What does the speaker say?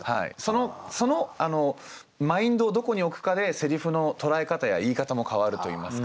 そのマインドをどこに置くかでセリフの捉え方や言い方も変わるといいますか。